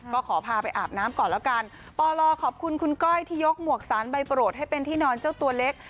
ก็ขอพาไปอาบน้ำก่อนแล้วกันปลขอบคุณคุณก้อยที่ยกหมวกสารใบโปรดให้เป็นที่นอนเจ้าตัวเล็ก